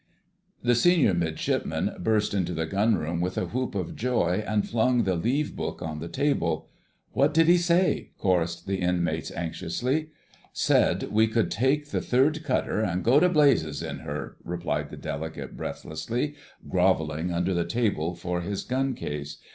The Senior Midshipman burst into the Gunroom with a whoop of joy and flung the leave book on the table. "What did he say?" chorussed the inmates anxiously. "Said we could take the third cutter, an' go to Blazes in her," replied the delegate breathlessly, grovelling under the table for his gun case.